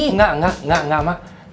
enggak enggak enggak mak